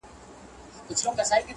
مصنوعي غوندي ښکاري